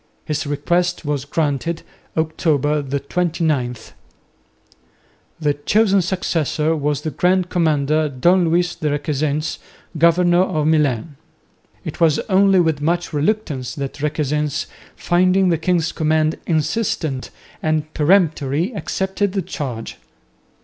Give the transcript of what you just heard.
His request was granted, October 29. The chosen successor was the Grand Commander, Don Luis de Requesens, governor of Milan. It was only with much reluctance that Requesens, finding the king's command insistent and peremptory, accepted the charge.